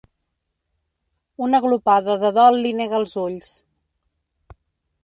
Una glopada de dol li nega els ulls.